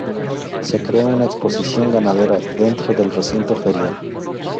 Se crea una exposición ganadera dentro del recinto ferial.